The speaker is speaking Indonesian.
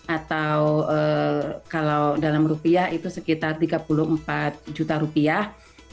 atau kalau dalam rupiah itu sekitar tiga puluh empat juta rupiah